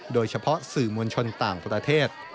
โดยเฉพาะสื่อมวลชนต่างประเทศ